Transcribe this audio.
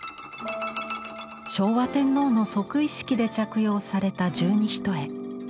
昭和天皇の即位式で着用された十二単。